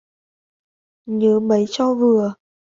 Nhớ mấy cho vừa